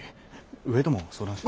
上とも相談して。